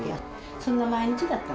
そんな毎日だった。